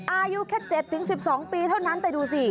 อายุแค่๗๑๒ปีเท่านั้นแต่ดูสิ